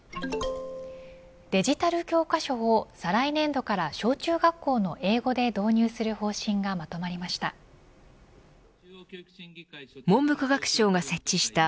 デジタル教科書を再来年度から小中学校の英語で導入する方針がまとまりました。